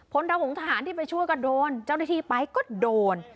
ทะหงทหารที่ไปช่วยก็โดนเจ้าหน้าที่ไปก็โดน